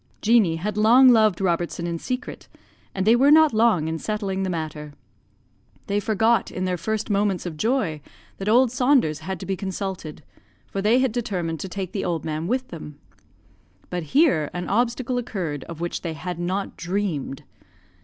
Jeanie had long loved Robertson in secret, and they were not long in settling the matter. They forgot in their first moments of joy that old Saunders had to be consulted, for they had determined to take the old man with them. But here an obstacle occurred of which they had not dreamed.